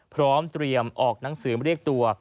พร้อมเตรียมออกหนังสือเรียกตัว